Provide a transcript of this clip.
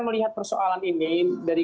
melihat persoalan ini dari